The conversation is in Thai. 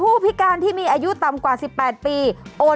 ใช้เมียได้ตลอด